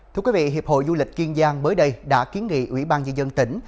thưa quý vị hiệp hội du lịch kiên giang mới đây đã kiến nghị ủy ban nhân dân tỉnh